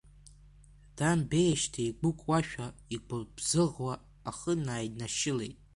Дамбеижьҭеи игәыкуашәа, игәыбзыӷуа ахы наиднашьылеит.